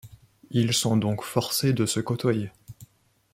Ils sont donc forcés de se côtoyer.